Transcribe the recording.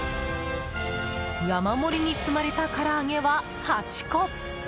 山盛りに積まれたから揚げは８個。